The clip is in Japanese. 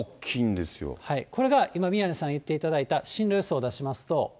これが今、宮根さん言っていただいた、進路予想出しますと。